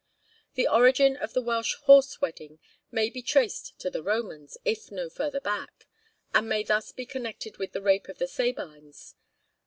The origin of the Welsh horse wedding may be traced to the Romans, if no further back, and may thus be connected with the rape of the Sabines.